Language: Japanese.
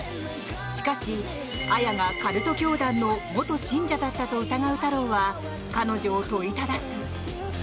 しかし、彼女がカルト教団の元信者だったと疑う太郎は彼女を問いただす。